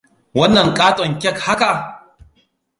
Wannan ƙaton kek haka!